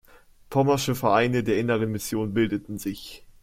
Pommersche Vereine der Inneren Mission bildeten sich.